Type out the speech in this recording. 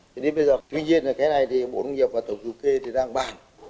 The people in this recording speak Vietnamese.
thì đến bây giờ tuy nhiên là cái này thì bộ nông nghiệp và tổng cục kê thì đang bàn